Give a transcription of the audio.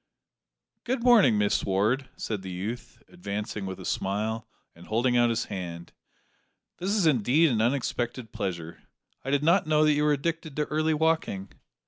"Good morning, Miss Ward!" said the youth, advancing with a smile, and holding out his hand; "this is indeed an unexpected pleasure; I did not know that you were addicted to early walking."